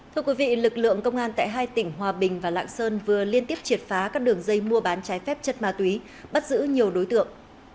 thưa quý vị lực lượng công an tại hai tỉnh hòa bình và lạng sơn vừa liên tiếp triệt phá các đường dây mua bán trái phép chất ma túy bắt giữ nhiều đối tượng